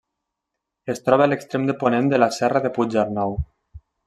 Es troba a l'extrem de ponent de la Serra de Puig-arnau.